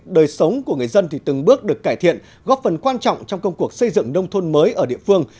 đời sống của người dân từng bước được cải thiện góp phần quan trọng trong công cuộc xây dựng nông thôn mới ở địa phương